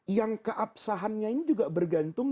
yang keabsahannya ini juga bergantung